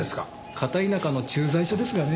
片田舎の駐在所ですがね。